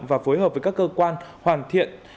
và phối hợp với các cơ quan hoàn thiện